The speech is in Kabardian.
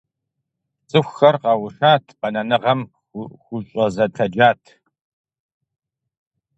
ЦӀыхухэр къэушат, бэнэныгъэм хузэщӀэтэджат.